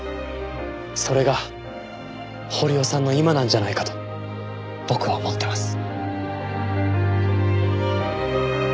それが堀尾さんの今なんじゃないかと僕は思ってます。